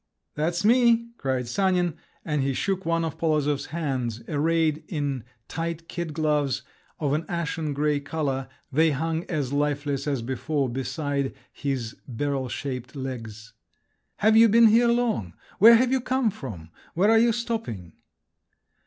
"That's me!" cried Sanin, and he shook one of Polozov's hands; arrayed in tight kid gloves of an ashen grey colour, they hung as lifeless as before beside his barrel shaped legs. "Have you been here long? Where have you come from? Where are you stopping?"